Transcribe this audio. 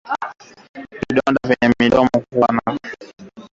Vidonda kwenye mdomo na koromeo